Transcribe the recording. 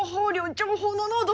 情報の濃度！